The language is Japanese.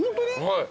はい。